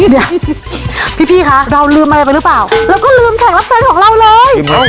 เดี๋ยวพี่พี่ค่ะเราลืมอะไรไปหรือเปล่าเราก็ลืมแข่งรับใจของเราเลย